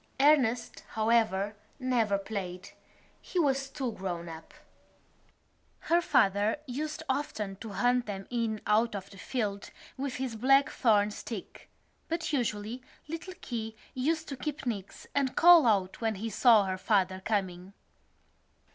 Ernest, however, never played: he was too grown up. Her father used often to hunt them in out of the field with his blackthorn stick; but usually little Keogh used to keep nix and call out when he saw her father coming.